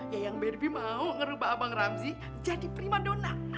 ya yang berbie mau ngerubah abang ramzi jadi prima dona